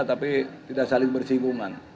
tapi tidak saling bersinggungan